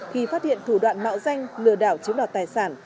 khi phát hiện thủ đoạn mạo danh lừa đảo chiếm đoạt tài sản